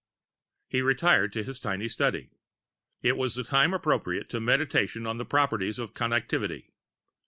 He retired to his tiny study. It was the time appropriate to meditation on the properties of Connectivity.